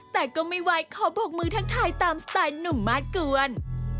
แต่ก็ไม่ไหวขอบกมือทักทายตามสไตล์หนุ่มมากกวน